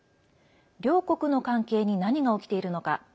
両国の関係に何が起きているのか。